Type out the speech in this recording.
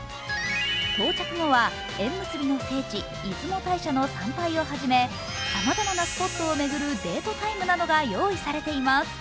到着後は縁結びの聖地・出雲大社の参拝をはじめさまざまなスポットを巡るデートタイムなどが用意されています。